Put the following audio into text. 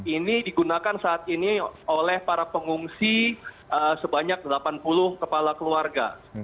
ini digunakan saat ini oleh para pengungsi sebanyak delapan puluh kepala keluarga